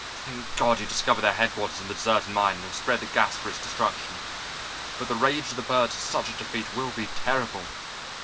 Thank God you discovered their headquarters in the deserted mine and have spread the gas for its destruction. But the rage of the birds at such a defeat will be terrible.